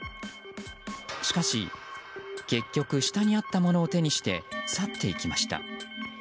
しかし結局下にあったものを手にして去っていきました。